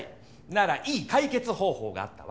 ならいい解決方法があったわ。